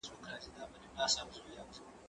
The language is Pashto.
که وخت وي، ليکلي پاڼي ترتيب کوم؟!